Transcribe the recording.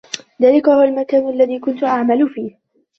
ذلك هو المكان الذي كنت أعمل فيه.